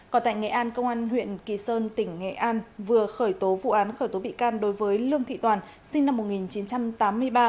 còn tại nghệ an công an huyện kỳ sơn tỉnh nghệ an vừa khởi tố vụ án khởi tố bị can đối với lương thị toàn sinh năm một nghìn chín trăm tám mươi ba